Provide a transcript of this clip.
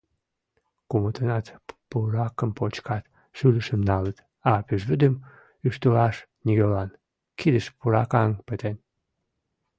Кумытынат пуракым почкат, шӱлышым налыт, а пӱжвӱдым ӱштылаш нигӧлан — кидышт пуракаҥ пытен.